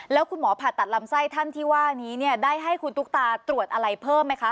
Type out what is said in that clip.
แล้วคุณหมอผ่าตัดลำไส้ท่านที่ว่านี้เนี่ยได้ให้คุณตุ๊กตาตรวจอะไรเพิ่มไหมคะ